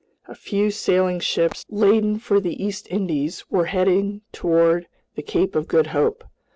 A few sailing ships, laden for the East Indies, were heading toward the Cape of Good Hope.